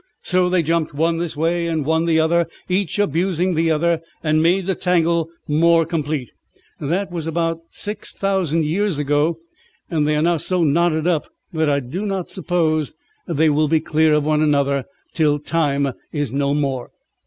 So they jumped one this way and one another, each abusing the other, and made the tangle more complete. That was about six thousand years ago, and they are now so knotted up that I do not suppose they will be clear of one another till time is no more."